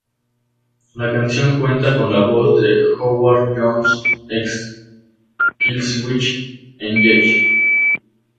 La canción cuenta con la voz de Howard Jones, ex Killswitch Engage.